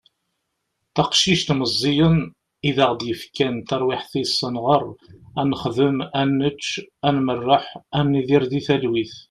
taqcict meẓẓiyen i aɣ-d-yefkan taṛwiḥt-is ad nɣeṛ, ad nexdem, ad nečč, ad merreḥ, ad nidir di talwit